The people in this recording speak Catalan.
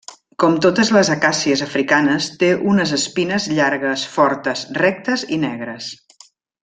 Com totes les acàcies africanes, té unes espines llargues, fortes, rectes i negres.